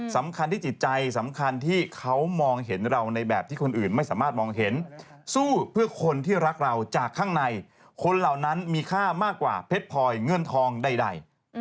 สำคัญที่จิตใจสำคัญที่เขามองเห็นเราในแบบที่คนอื่นไม่สามารถมองเห็นสู้เพื่อคนที่รักเราจากข้างในคนเหล่านั้นมีค่ามากกว่าเพชรพลอยเงินทองใด